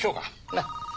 なっ。